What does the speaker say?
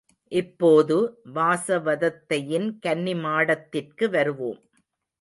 இப்போது வாசவதத்தையின் கன்னி மாடத்திற்கு வருவோம்.